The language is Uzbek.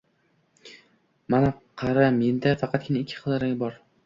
Mana, qara, menda faqatgina ikki xil rang bor